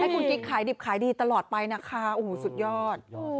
คุณกิ๊กขายดิบขายดีตลอดไปนะคะโอ้โหสุดยอด